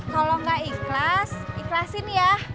kalau nggak ikhlas ikhlasin ya